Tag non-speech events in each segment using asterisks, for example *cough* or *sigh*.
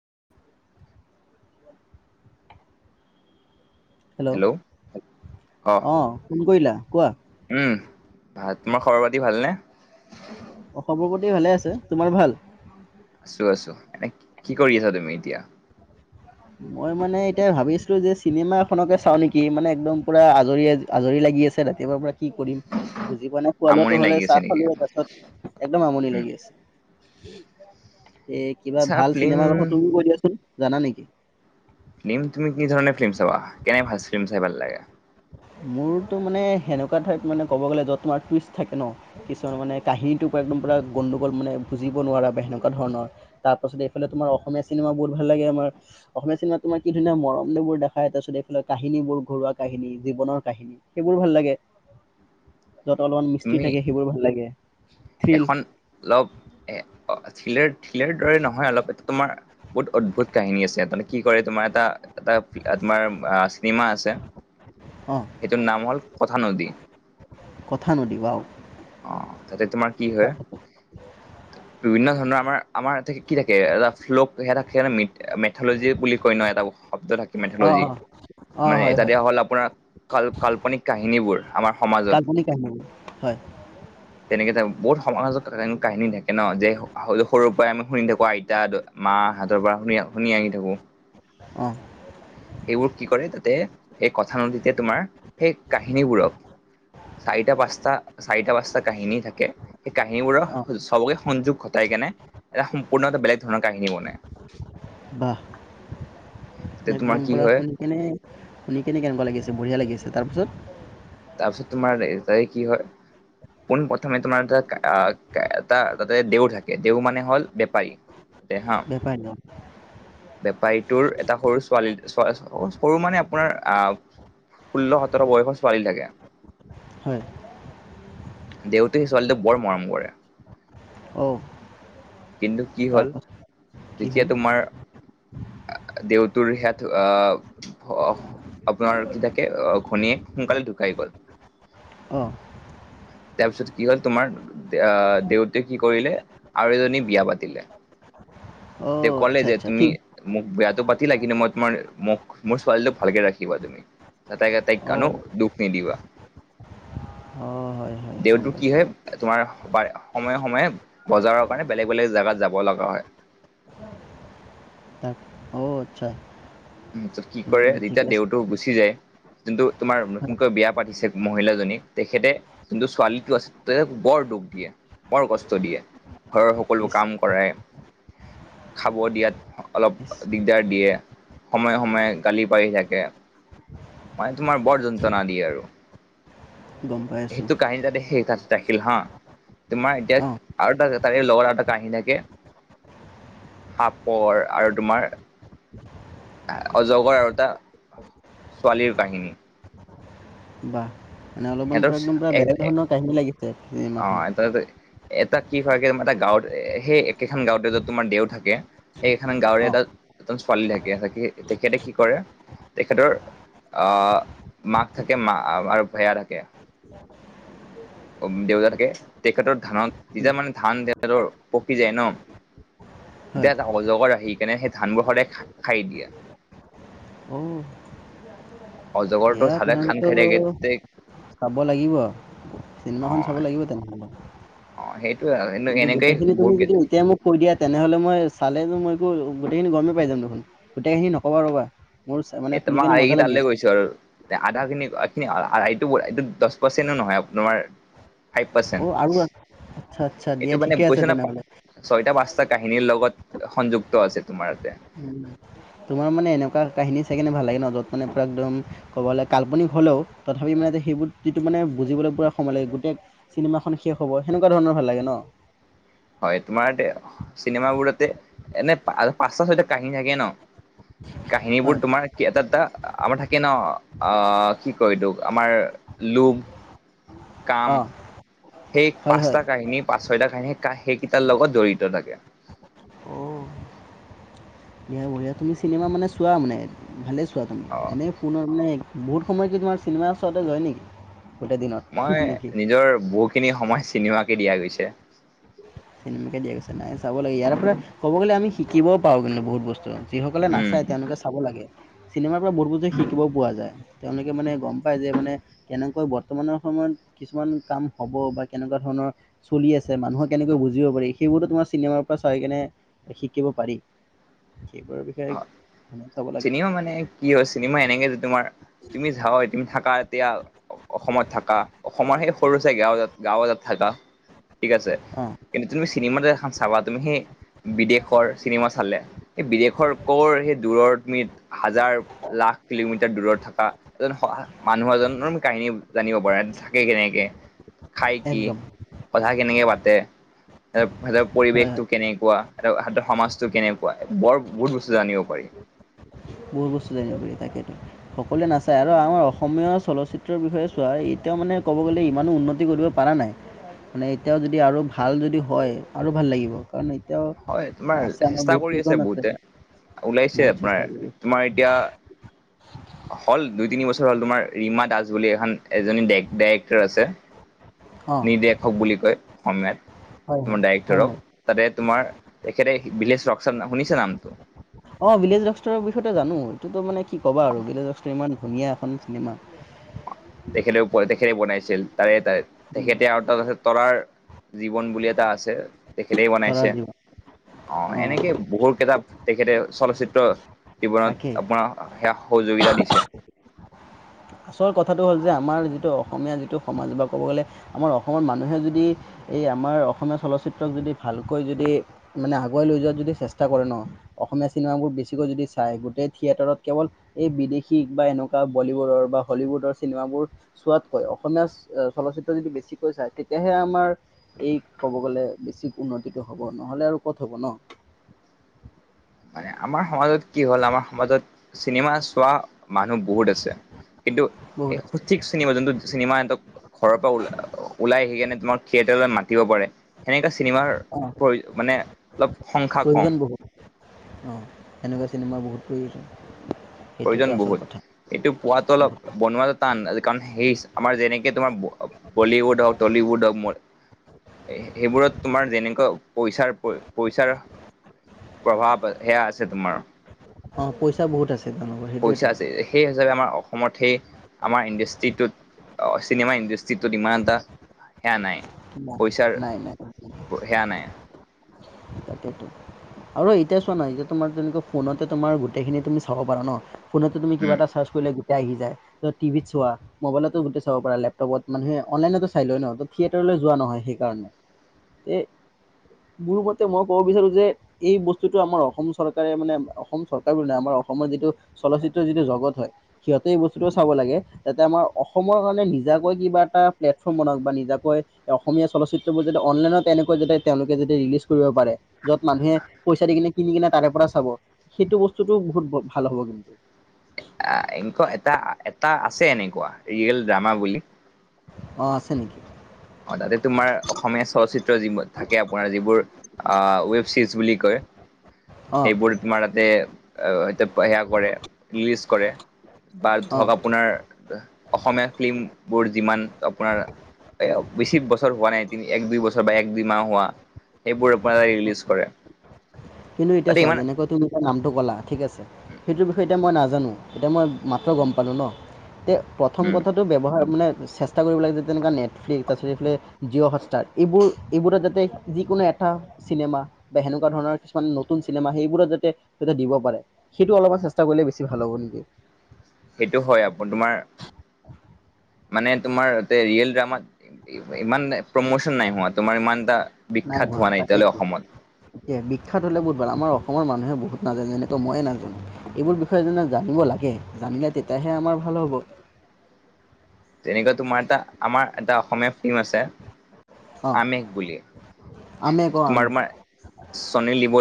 *inaudible* Hello অ অ phone কৰিলা কোৱা উম ভাত তোমাৰ খবৰ পতি ভালনে খবৰ পাতি ভালে আছে তোমাৰ ভাল আছো আছো এনে কি কৰি আছা তুমি এতিয়া মই মানে এতিয়া ভাবিছো যে চিনেমা এখনকে চাও নেকি মানে একদম পুৰা আজৰি আজৰি লাগি সি আছে ৰাতিপুৱাৰ পৰা কি কৰিম বুজি পোৱা নাই খোৱা লোৱাটো আমনি হ'লে লাগি আছে চাহ নেকি খালো তাৰ পছত একদম আমনি উম লাগি আছে এ কিবা আচ্ছা ভাল ফিল্ম চিনেমাৰ কথা তুমিও কৈ দিয়াচোন জানা নেকি ফিল্ম তুমি কি ধৰণে ফিল্ম চাবা কেনে ভাল ফিল্ম চাই ভাল লাগে মোৰতো মানে সেনেকুৱা ঠাইত মানে ক'ব গ'লে য'ত তোমাৰ টুইষ্ট থাকে ন কিছুমান মানে কাহিনীটো একদম পৰা গণ্ডগল মানে বুজিব নোৱাৰা বা হেনকা ধৰণৰ তাৰ পাছত এইফালে তোমাৰ অসমীয়া চিনেমা বহুত ভাল লাগে লে আমাৰ *unintelligible* অসমীয়া চিনেমাত তোমাৰ কি ধুনীয়া মৰম এইবোৰ দেখাই তাৰপিছত এইফালে কাহিনীবোৰ ঘৰুৱা কাহিনী, জীৱনৰ কাহিনী সেইবোৰ বেছি ভাল লাগে *inaudible* য'ত অলপমান মিস্ত্ৰী তুমি থাকে সেইবোৰ ভাল লাগে থ্ৰিল এখন অলপ এ ঠিলেৰ ঠিলেৰ দৰে নহয় অলপ এ তোমাৰ বহুত অদ্ভুত কাহিনী আছে তামানে কি কৰে তোমাৰ এটা এটা তোমাৰ চিনেমা আছে। অঁ সেইটোৰ নাম হল কথা নদী কথা নদী ৱাও অ তাতে তোমাৰ কি হয় বিভিন্ন ধৰণৰ আমাৰ আমাৰ থাকে কি থাকে এটা ফ্লোক সেয়া থাকে ম মেথলজি বুলি কৈ ন এটা শব্দ থাকে। অঁ মেথলজি অঁ অঁ মানে হয় এটা হয় দিয়া হ'ল আপোনাৰ কাল কাল্পনিক কাহিনীবোৰ। আমাৰ সমাজত আধুনিক কাহিনী হয়। তেনেকে থাকো বহুত সমাজত কাহিনী থাকে। কে ন যে সৰুৰ পৰাই আমি শুনি থাকো আইতা মা হাতৰ পৰা শুনি শুনি আহি থাকো। অ' সেইবোৰ কি কৰে তাতে সেই কথানদীতে তোমাৰ সেই কাহিনীবোৰক। চাৰিটা পাঁচটা চাৰিটা পাঁচ টা কাহিনী থাকে সেই কাহিনীবোৰ অঁ চবকে সংযোগ ঘটাই কেনে এটা সম্পূৰ্ণ এটা বেলেগ ধৰণৰ কাহিনী। নি বনাই। ৱাহ তাতে তোমাৰ একদম কি পূৰা হয় শুনি কেনে শুনি কেনে কেনেকোৱা লাগি আছে বঢ়িয়া লাগি আছে তাৰপিছত তাৰপিছত তোমাৰ তাই কি হয়, পোন প্ৰথমে তোমাৰ এটা আহ এটা তাতে দেউ থাকে দেউ মানে হল বেপাৰী তে হা বেপাৰী ন। বেপাৰীটোৰ এটা সৰু ছোৱালী সৰু মানে আপোনাৰ আহ ষোল্ল সোতৰ বয়সৰ ছোৱালী থাকে। হয়। দেউতে সেই ছোৱালীটো বৰ মৰম কৰে। অ', কিন্তু কি হল তাৰপাছত কি যেতিয়া হ'ল? তোমাৰ। অ দেউতৰ হেত অ। অ আপোনাৰ কি থাকে ঘৈনীয়েক সোনকালে ঢুকাই গল। অ তাৰপিছত কি হল তোমাৰ অহ দেউতে কি কৰিলে আৰু এজনী বিয়া পাতিলে। তেওঁ অ', ক'লে আচ্ছা, যে আচ্ছা, তুমি ঠিক মোক বিয়াত পাতিলা কিন্তু মই তোমাৰ মোক মোৰ ছোৱালীটো ভালকে ৰাখিবা তুমি এটাই কতাই কানো অ', দুখ নিদিবা হয় হয় দেউ গম তো কি পাইছোঁ। হয় তোমাৰ বাৰে সময়ে সময়ে বজাৰৰ কাৰণে বেলেগ বেলেগ জেগাত যাব লগা হয় *inaudible* অ আচ্ছা উ কি উম, কৰে ঠিক যেতিয়া আছে। দেউতো গুচি যায়। যোনটো তোমাৰ হয়, নতুনকৈ বিয়া পাতিছে মহিলাজনী তেখেতে যোনটো ছোৱালীটো আছে তে বৰ দুখ দিয়ে বৰ কষ্ট দিয়ে ঘৰৰ সকলো ইচ, কাম কৰাই। খাব দিয়াত অলপ ইচ, দিগদাৰ দিয়ে। সময়ে সময়ে গালি পাৰি থাকে। মানে তোমাৰ বৰ যন্ত্ৰণা দিয়ে আৰু গম পাই আছোঁ। সেইটো কাহিনী যাতে সেই তাত। ৰাখিল হ তোমাৰ এতিয়া অ', আৰু এটা তাৰে লগৰ এটা তাতে আহি থাকে। সাপৰ আৰু তোমাৰ। অজগৰ আৰু এটা ছোৱালীৰ কাহিনী বাহ! মানে অলপমান এটো পূৰা একদম পূৰা বেলেগ ধৰণৰ কাহিনী লাগিছে অ চিনেমাখন। এটা এটা কি হয়গে তোমাৰ এটা গাঁৱত সেই একেখন গাঁৱতে যত তোমাৰ দেও থাকে সেই একেখন গাঁৱৰে অ', এটা। এজন ছোৱালী থাকে থাকে তেখেতে কি কৰে। তেখেতৰ আহ মাক থাকে মা আৰু ভায়া থাকে। দেউতা থাকে তেখেতৰ ধানত উম, তেতিয়া মানে ধান তেখেতৰ পকি যায় ন। হয়। এতিয়া এটা অজগৰ আহি কিনে সেই ধানবোৰ সদায় খাই দিয়ে। উম। অজগৰটো খালে খান তেনেহ'লেতো খাই থাকে দেই। চাব লাগিব অ চিনেমাখন চাব লাগিব তেনেহলে। অ সেইটোয়ে আৰু কিন্তু এনেকেই গোটেইখিনি তুমি বহুত যদি এতিয়াই মোক কৈ দিয়া তেনেহলে মই চাল। মই গোটেই খিনি গৰমেই পাই যাম দেখোন গোটেই খিনি নকবা ৰবা। মোৰ চা- মানে এটো শুনি মই কেনে আ ই মজা লাগি তালৈ আছে। গৈছো আৰু। আধা খিনি আতখিনি আইটো এইটো দছ পাৰ্চেণো নহয় আপ তোমাৰ। ফাইপ পাচেট্ অ' আৰু আ- আচ্ছা আচ্ছা দিয়া এইটো মানে ঠিকে আছে কৈছে না তেনেহ'লে। ছয় টা পাছ। এটা কাহিনীৰ লগত সংযুক্ত আছে তোমাৰ য়াতে। উম, তোমাৰ মানে এনেকুৱা কাহিনী চাই কেনে ভাল লাগে ন য'ত মানে পুৰা একদম ক'বলে কাল্পনিক হ'লেও তথাপিও। মানে যে সেইবোৰ যিটো মানে বুজিবলে পুৰা সময় লাগে গোটেই চিনেমাখন শেষ হ'ব সেনেকুৱা ধৰণৰ ভাল লাগে ন। *inaudible* হয় তোমাৰ দে চিনেমাবোৰতে এনে পাঁচটা ছয়টা কাহিনী থাকে ন। কাহিনী বোৰ হয়, তোমাৰ কি এটা এটা। আমাৰ থাকে ন আহ কি কয় এইটোক আমাৰ লোভ। কাম অ' সেই হয় হয়। পাচটা কাহিনী। পাছ-ছইটা কাহিনী সেইকেইটাৰ লগত জড়িত থাকে। অ' বঢ়িয়া বঢ়িয়া তুমি চিনেমা মানে চোৱা মানে ভালে চোৱা তুমি অ এনেই ফোনত মানে। বহুত সময় কি তোমাৰ চিনেমাৰ চাওতে যই নিকি মই নিজৰ বহুখিনি সময় চিনেমাকে দিয়া গৈছে। চিনেমাকে দিয়া গৈছে নাই চাব লাগে ইয়াৰ পৰা ক'ব গ'লে আমি শিকিবও পাওঁ কিন্তু বহুত বস্তু। যিসকলে উম নাচায় তেওঁলোকে চাব লাগে। চিনেমাৰ পৰা বৰ বোৰ যে শিকিবও পোৱা যায় তেওঁলোকে মানে গম পায় যে মানে কেনেকৈ বৰ্তমানৰ সময়ত। কিছুমান কাম হ'ব বা কেনেকুৱা ধৰণৰ চলি আছে মানুহক কেনেকৈ বুজ। জিয় পাৰি সেইবোৰতো তোমাৰ চিনেমাৰ পৰা চাই কেনে শিকিব পাৰি। সেইবোৰৰ বিষয়ে অ মানে চাব লাগে চিনেমা মানে কি হয় চিনেমা এনেকে তোমাৰ তুমি যাৱা তুমি থাকা এতিয়াও। অসমত থকা অসমৰ সেই সৰু চাই গাঁওজা গাঁওজাত থাকা ঠিক আছে। অ কিন্তু তুমি চিনেমা যে এখন চাবা তুমি সেই বিদেশৰ চিনেমা চালে সেই বিদেশৰ। কৰ সেই দূৰৰনিত হাজাৰ লাখ কিলোমিটাৰ দূৰত থাকা এজন সহা মানুহৰ। জন নম কাহিনী জানিব পাৰা থাকে কেনেকে খাই কি। একদম কথা কেনেকে পাতে। সিহঁতৰ হয় হয় পৰিৱেশটো কেনেকুৱা সহতৰ সমাজতটো কেনেকুৱা বৰ বহুত বস্তু। জানিব পাৰি। বহুত বস্তু জানিব পাৰি তাকেতো সকলোৱে নাচায় আৰু আমাৰ অসমীয়া চলচ্চিত্ৰৰ বিষয়ে চোৱা এতিয়াও মানে। ক'ব গ'লে ইমানো উন্নতি কৰিব পাৰা নাই। মানে এতিয়াও যদি আৰু ভাল যদি হয় আৰু ভাল লাগিব কাৰণ। এতিয়াও হয় তোমাৰ আছে আমাৰ চেষ্টা বহুত কৰি আছে কেইখন বহুতে ওলাইছে বহুত আপনাৰ চেষ্টা কৰি আছে তোমাৰ। এতিয়া। হ'ল দুই তিনি বছৰ হ'ল তোমাৰ ৰীমা দাস বুলি এখন এজনী ডাই ডাইৰেক্টৰ আছে। অঁ নিৰ্দেশক বুলি কয় অসমীয়াত হয় হয় তোমাৰ হয় ডাইৰেক্টৰক হয় তাতে। তোমাৰ তেখেতে ভিলেজ ৰক্সাল শুনিছে নামটো। অঁ ভিলেইজ ৰকষ্টাৰৰ বিষয়টো জানো এইটোতো মানে কি ক'বা আৰু বিলেজ *unintelligible* ইমান ধুনীয়া এখন চিনেমা। তেখেতেও কয় তেখেতে বনাইছিল তাৰে তাইৰ তেখেতে আৰু তাত আছে তৰাৰ। জীৱন বুলি এটা আছে। তেখেতে তৰাৰ বনাইছে জীৱন অ অঁ এনেকে বহুত কিতা তেখেতে চলচিত্ৰ। কিবা তাকেই তাপা সেয়া সহযোগিতা দিছে। আচল কথাটো হ'ল যে আমাৰ যিটো অসমীয়া যিটো সমাজ বা ক'ব গ'লে আমাৰ অসমৰ মানুহে যদি এই আমাৰ অসমীয়া চলচিত্ৰক যদি ভালকৈ যদি মানে আগুৱাই লৈ যোৱাত যদি চেষ্টা কৰে ন অ অসমীয়া চিনেমাবোৰ বেছিকৈ যদি চায় গোটেই থিয়েটাৰত কেৱল এই বিদেশী বা এনেকুৱা বলিউডৰ বা। হলীউডৰ চিনেমাবোৰ চোৱাতকৈ অসমীয়া চলচিত্ৰ যদি বেছিকৈ চায় তেতিয়াহে আমাৰ। এই ক'ব গ'লে বেছি উন্নতিটো হ'ব নহ'লে আৰু ক'ত হ'ব ন। *inaudible* মানে আমাৰ সমাজত কি হ'ল আমাৰ সমাজত চিনেমা চোৱা মানুহ বহুত আছে। কিন্তু বহুত এই আছে সঠিক চিনেমা যোনটো চিনেমা সিহঁতক ঘৰৰ পৰা ওল ওলাই আহি কেনে তোমাক থিয়েটাৰত মাতি পাৰে সেনেকা চিনেমাৰ অঁ প্ৰয় মানে অলপ সংখ্যা কম। প্ৰয়োজন বহুত অঁ এনেকুৱা চিনেমা বহুত। সেইটোতো প্ৰয়োজন আচল কথা বহুত এইটো। পোৱাাতটো অলপ বনোৱাটো টান কাৰণ সেই আমাৰ যেনেকে তোমাৰ বলীউড হওক টলিউড হওক। সেইবোৰত তোমাৰ যেনেকুৱা পইচাৰ পইচাৰ। প্ৰভাৱ সেয়া আছে তোমাৰ। অঁ পইচা বহুত আছে। তেওঁলোকৰ পইচা সেইটোৱেতো আছে সেই হিচাপে আমাৰ। অসমত সেই আমাৰ ইণ্ডাষ্ট্ৰিটোত চিনেমা ইণ্ডাষ্ট্ৰিটোত ইমান এটা। হেয়া নাই। না নাই নাই। হেয়া নাই। তাকেটো আৰু এতিয়া চোৱা না এতিয়া তোমাৰ তেনেকুৱা ফোনতে তোমাৰ গোটেইখিনি তুমি চাব পাৰা ন। ফোনতে তুমি কিবা উম এটা চাৰ্চ কৰিলে। আহি যায় ত টিভিত চোৱা মোবাইলতো গোটেই চাব পাৰা লেপটপত মানুহে অনলাইনতো চাই লয় ন থিয়েটাৰ। তো যোৱা নহয় সেইকাৰণে এ মোৰ তে মই ক'ব বিচাৰো যে এই বস্তুতটো আমাৰ অসম চৰকাৰে মানে অসম চৰকাৰ বোলা নাই আমাৰ অসমৰ যিটো। চলচিত্ৰ যিটো জগত হয় সিহঁতে এই বস্তুটো চাব লাগে যাতে আমাৰ অসমৰ কাৰণে নিজাকৈ কিবা এটা। প্লেটফৰ্ম বনাওক বা নিজাকৈ অসমীয়া চলচিত্ৰবোৰ যাতে অনলাইনত তেনেকৈ যদি তেওঁলোকে যদি ৰিলিজ। কৰিব পাৰে য'ত মানুহে পইচা দি কিনে কিনি কিনে তাৰে পৰা চাব সেইটো বস্তুতটো বহুত ভাল হ'ব। কিন্তু *inaudible* এক এটা এটা আছে এনেকুৱা ৰিয়েল ড্ৰামা বুলি। অ আছে নেকি? অ তাতে তোমাৰ অসমীয়া চলচিত্ৰ যোৰ থাকে আপোনাৰ যিবোৰ অ ৱেব ছিজ বুলি কয়। *inaudible* অ সেইবোৰ তোমাৰ তাতে সেয়া কৰে ৰিলিজ কৰে। বা অ ধৰক আপোনাৰ অসমীয়া ফিল্ম বোৰ যিমান আপোনাৰ এ বেছি বছৰ হোৱা নাই তিনি এক দুই বছৰ বা এক দুই মাহ হোৱা। এইবোৰ পৰাই ৰিলিজ কৰে। কিন্তু এতিয়া তাতে চোৱা ইমান যেনেকৈ তুমি এতিয়া নামটো কলা ঠিক আছে সেইটো বিষয়ে এতিয়া মই নাজা নাজানো এতিয়া মই মাত্ৰ গম পালোঁ ন এতিয়া প্ৰথম উম কথাটো ব্যৱহাৰ মানে। চেষ্টা কৰিব লাগে যতে তেনেুৱা নেটফ্লিক্স তাৰপিছত এইফালে জিঅ'হষ্টাৰ এইবোৰ এইবোৰত যাতে যিকোনো এপ। চিনেমা বা সেনেকুৱা ধৰণৰ। মানে নতুন চিনেমা সেইবোৰত যাতে দিব পাৰে সেইটো অলপমান চেষ্টা কৰিলে বেছি ভাল হ'ব নেকি। সেইটো হয় আপো তোমাৰ। মানে তোমাৰ তাতে ৰিয়েল ড্ৰামাত ইমান প্ৰমোচন নাই হোৱা তোমাৰ ইমান এটা। নাই বিখ্যাত হোৱা এতিয়ালৈ তাকেইেতো অসমত এয়া বিখ্যাত হলে বহুত ভাল আমাৰ অসম অসমৰ মানুহে বহুত নাজানে যেনেকৱৈ ময়ে নাজানো এইবোৰ বিষয়ে যেনে জানিব লাগে জানিলে তেতিয়াহে আমাৰ ভাল। ভাল হ'ব। *inaudible* তেনেকুৱা তোমাৰ এটা আমাৰ এটা অসমীয়া ফিল্ম আছে আমেষ বুলি। আম ক আম। *unintelligible* চনীৰ লিবো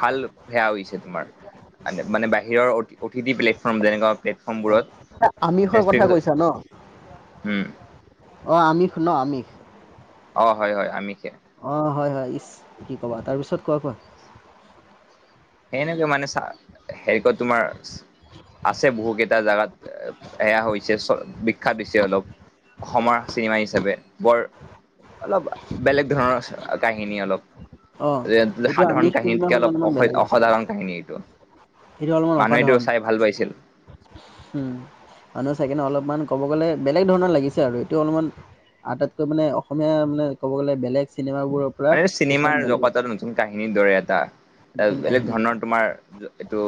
ভাল সেয়া হৈছে তোমাৰ। মানে বাহিৰৰ অ অতি টি প্লেটফৰ্ম যেনেকুৱা প্লেটফৰ্মবোৰত। এ, আমিষৰ কথা কৈছা ন? হম। অঁ আমিষ ন আমিষ? অ, হয় হয় আমিষে। অ হয়, হয় ইচ কি ক'বা তাৰপিছত কোৱা কোৱা? সেনেকৈ মানে চ হেৰি ক তোমাৰ আছে বহু কেইটা জেগাত এয়া হৈছে চ বিখ্যাত দিছে অলপ। অসমৰ চিনেমা হিচাপে বৰ অলপ বেলেগ ধৰণৰ কাহিনী অলপ। অ যে এইটো সাধাৰণ আমিষ কাহিনীতকে কোনোবাখন অলপ অলপমান বেলেগ অসভ্য আছিলে অসাধাৰণ কাহিনী এইটো এইটো অলপমান মানুহ এইটো অসাধাৰণ চাই ভাল পাইছিল। মানুহ চাই কিনে অলপমান ক'ব গ'লে বেলেগ ধৰণৰ লাগিছে আৰু এইটো অলপমান। আটাইতকৈ মানে অসমীয়া মানে ক'ব গ'লে বেলেগ চিনেমাবোৰৰ পৰা মানে কিছুমান চিনেমাৰ বেলেগ জগতত নতুন কাহিনীৰ দৰে এটা এ নতুন বেলেগ কাহিনী এটা ধৰণৰ তোমাৰ এইটো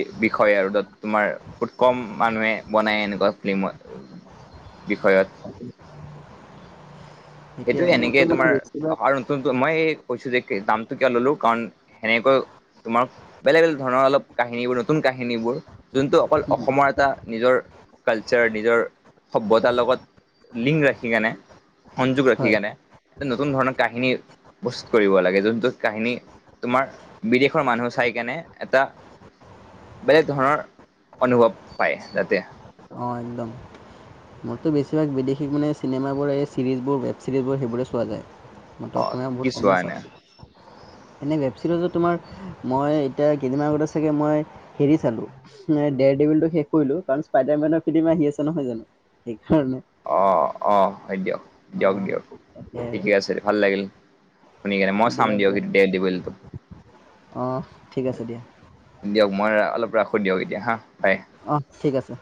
বি বিষয় আৰু তাত তোমাৰ বহুত কম মানুহে বনাই এনেকুৱা ফিল্মত। বিষয়ত। সেইটোৱে সেইটোয়ে এনেকে মোৰতো মানে তোমাৰ অ বেছিভাগ আৰু নতুন মই কৈছু যে দামটো কিয় ল'লো কাৰণ এনেকৈও তোমাৰ বেলেগ বেলেগ ধৰণৰ অলপ কাহিনীবোৰ নতুন কাহিনীবোৰ যোনটো অকল উম, অসমৰ এটা নিজৰ কালচাৰ নিজৰ সভ্যতাৰ লগত লিংক ৰাখি কেনে সংযোগ ৰাখি হয় কেনে এটা নতুন ধৰণৰ কাহিনী প্ৰস্তুত কৰিব লাগে। যোনটো কাহিনী তোমাৰ বিদেশৰ মানুহ চাই কেনে এটা বেলেগ ধৰণৰ অনুভৱ পায় যাতে। অ, একদম। মোৰতো বেছিভাগ বিদেশী মানে চিনেমাবোৰ এই চিৰিজবোৰ ৱেব ছিৰিজবোৰ সেইবোৰে চোৱা যায়। মইতো অসমীয়া বহুত কমেই চাও। হয়। এনে ৱেবছিৰিজত তোমাৰ মই এতিয়া কেইদিনমান আগতে চাগে মই হেৰি চালোঁ ডেদ শেষ কৰিলো কাৰণ স্পাইডাৰ মেনৰ ফিল্ম আহি আছে নহয় জানো? সেইকাৰণে অ, আহ হয় দিয়ক দিয়ক অঁ দিয়ক তাকে ঠিকে আৰু। আছে ভাল লাগিল। শুনি কেনে মই চাম দিয়া দিয়ক দিয়া কিন্ত দে দি ব তো। অঁ ঠিক আছে দিয়া দিয়ক মই অলপ ৰাখোঁ দিয়ক এতিয়া হা বাই। অঁ ঠিক আছে